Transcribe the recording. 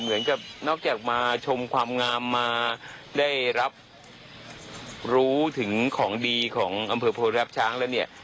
เหมือนกับนอกจากมาชมความงามมาได้รับรู้ถึงของดีของอำเภอโพรับช้างแล้วเนี่ย